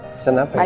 pesan apa ini